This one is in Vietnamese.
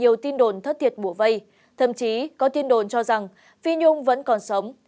nhưng cũng bị nhiều tin đồn thất thiệt bủa vây thậm chí có tin đồn cho rằng phi nhung vẫn còn sống